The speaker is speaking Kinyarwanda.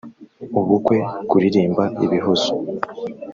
ubukwe kuririmba ibihozo